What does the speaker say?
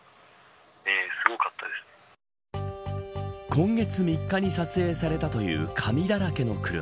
今月３日に撮影されたという紙だらけの車。